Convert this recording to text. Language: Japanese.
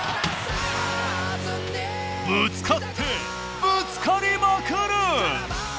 ぶつかってぶつかりまくる！